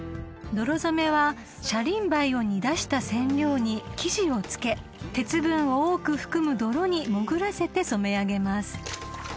［泥染めはシャリンバイを煮出した染料に生地を漬け鉄分を多く含む泥に潜らせて染め上げます］